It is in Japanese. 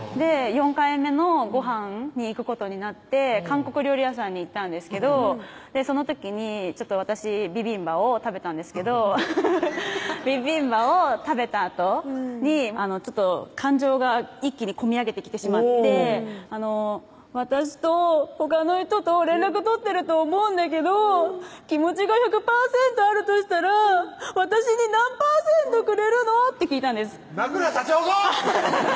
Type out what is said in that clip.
４回目のごはんに行くことになって韓国料理屋さんに行ったんですけどその時に私ビビンバを食べたんですけどビビンバを食べたあとに感情が一気にこみ上げてきてしまって「私とほかの人と連絡取ってると思うんだけど気持ちが１００％あるとしたら私に何％くれるの？」って聞いたんです泣くなしゃちほこ！